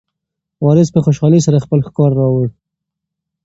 وارث په خوشحالۍ سره خپله ښکار راوړ.